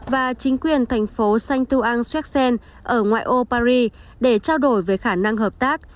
và chính quyền thành phố saint ouen sur seine ở ngoại ô paris để trao đổi về khả năng hợp tác